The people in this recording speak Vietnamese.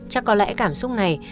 chắc có lẽ cảm xúc này